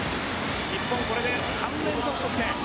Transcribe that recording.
日本はこれで３連続得点。